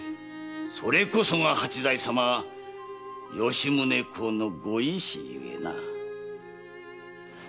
それこそが八代様・吉宗公のご意志ゆえな。